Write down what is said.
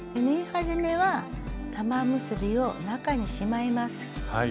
縫い始めは玉結びを中にしまいます。